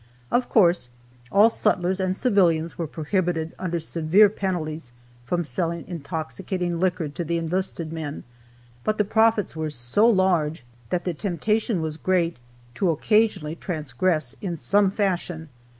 Of course, all sutlers and civilians were prohibited, under severe penalties, from selling intoxicating liquor to the enlisted men, but the profits were so large that the temptation was great to occasionally transgress, in some fashion.